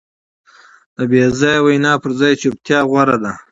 د بېځایه وینا پر ځای چوپتیا غوره ده.